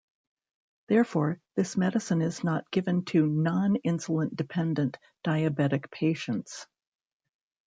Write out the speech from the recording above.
Therefore, this medicine is not given to non-insulin dependent diabetic patients.